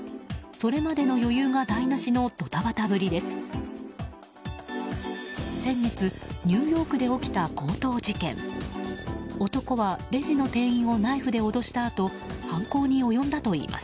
それまでの余裕が台なしのドタバタぶりです。